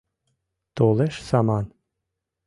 Толеш саман.